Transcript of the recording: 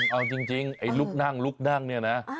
เอาจริงไอ้ลุกนั่งลุกนั่งเนี่ยนะ